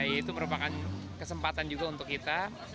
itu merupakan kesempatan juga untuk kita